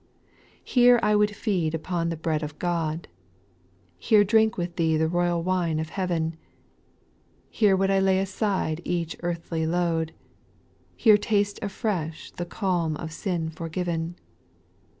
SPIRITUAL 80N08, 189 2. Here would I feed upon the bread of God ; Here drink with Thee the royal wine of heaven ; Here would I lay aside each earthly load, Here taste afresh the calm of sin forgiven.